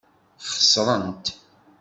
Xeṣrent.